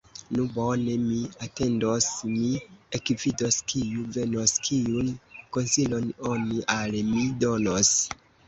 Nu bone, mi atendos, mi ekvidos, kiu venos, kiun konsilon oni al mi donos!